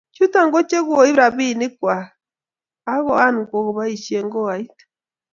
chuto ko che koib rabinik chechwak ak koan kokibaishe koait